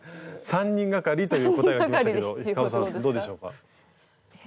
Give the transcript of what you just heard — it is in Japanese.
３人がかりという答えがきましたけどｈｉｃａｏさんどうでしょうか？